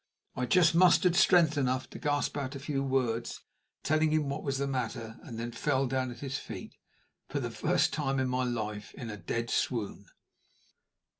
I just mustered strength enough to gasp out a few words, telling him what was the matter, and then fell down at his feet, for the first time in my life in a dead swoon.